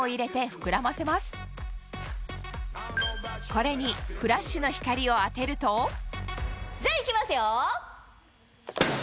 これにフラッシュの光を当てるとじゃあいきますよ。